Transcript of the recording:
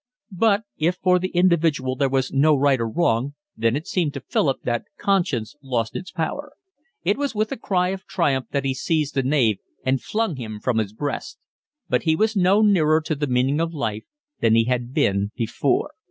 But if for the individual there was no right and no wrong, then it seemed to Philip that conscience lost its power. It was with a cry of triumph that he seized the knave and flung him from his breast. But he was no nearer to the meaning of life than he had been before.